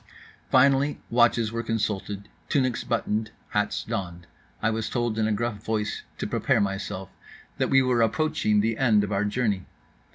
Finally watches were consulted, tunics buttoned, hats donned. I was told in a gruff voice to prepare myself; that we were approaching the end of our journey.